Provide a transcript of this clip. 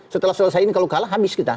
setelah selesai ini kalau kalah habis kita